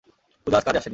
পূজা আজ কাজে আসেনি।